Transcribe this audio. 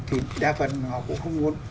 thì đa phần họ cũng không muốn